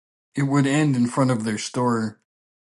It would end in front of their store.